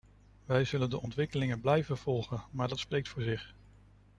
We zullen de ontwikkelingen blijven volgen, maar dat spreekt voor zich.